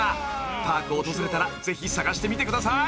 ［パークを訪れたらぜひ探してみてください］